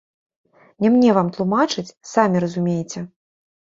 Не мне вам тлумачыць, самі разумееце.